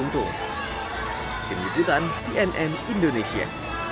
kemudian cnn indonesia